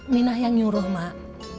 minah yang nyuruh mak